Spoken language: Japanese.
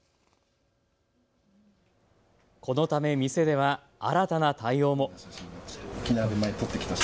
このため店では新たな対応も。